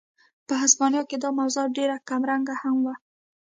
په هسپانیا کې دا موضوع ډېره کمرنګه هم وه.